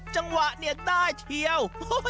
จังหวะเนี่ยใต้เชียว